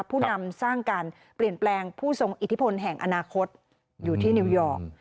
ผู้นำสร้างการเปลี่ยนแปลงผู้ทรงอิทธิพลแห่งอนาคตอยู่ที่นิวยอร์ก